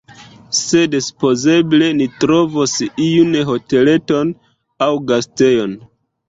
Sed supozeble ni trovos iun hoteleton aŭ gastejon.